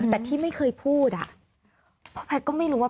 แต่ที่ไม่เคยพูดอ่ะเพราะแพทย์ก็ไม่รู้ว่า